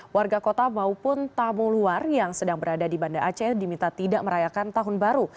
warga kota maupun tamu luar yang sedang berada di banda aceh diminta tidak merayakan tahun baru